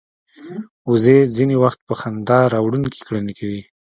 وزې ځینې وخت په خندا راوړونکې کړنې کوي